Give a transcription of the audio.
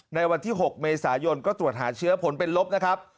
ในวันที่๖เมษายนก็ตรวจหาเชื้อผลเป็นลบนะครับ